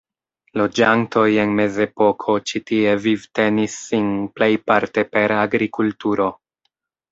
Loĝantoj en mezepoko ĉi tie vivtenis sin plejparte per agrikulturo.